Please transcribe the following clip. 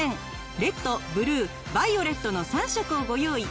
レッドブルーバイオレットの３色をご用意。